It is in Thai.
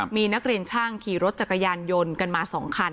มีนักเรียนช่างขี่รถจักรยานยนต์กันมา๒คัน